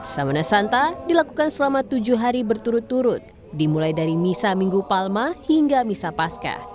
sawana santa dilakukan selama tujuh hari berturut turut dimulai dari misa minggu palma hingga misah pasca